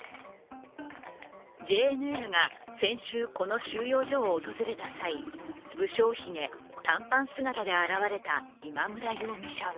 ＪＮＮが先週、この収容所を訪れた際不精ひげ、短パン姿で現れた今村容疑者は